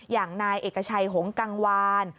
อย่างนายเอกชัยหงกังวาน